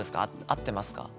合ってますか？